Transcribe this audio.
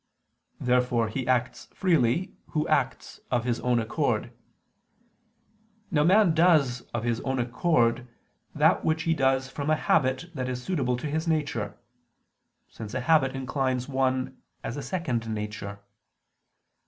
Therefore he acts freely, who acts of his own accord. Now man does of his own accord that which he does from a habit that is suitable to his nature: since a habit inclines one as a second nature.